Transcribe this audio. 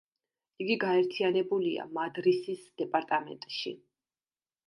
იგი გაერთიანებულია მადრისის დეპარტამენტში.